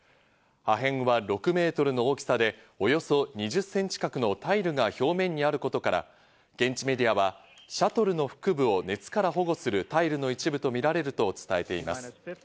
破片は６メートルの大きさで、およそ２０センチ角のタイルが表面にあることから、現地メディアはシャトルの腹部を熱から保護するタイルの一部とみられると伝えています。